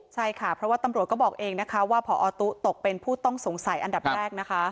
ใช่ค่ะเพราะว่าตำรวจก็บอกเองนะคะว่าพอตุ๊ตกเป็นผู้ต้องสงสัยอันดับแรกนะคะ